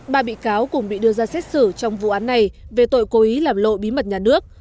ba bị cáo cùng bị đưa ra xét xử trong vụ án này về tội cố ý làm lộ bí mật nhà nước